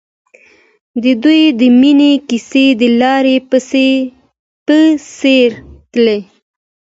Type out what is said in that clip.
د دوی د مینې کیسه د لاره په څېر تلله.